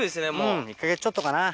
うん１か月ちょっとかな。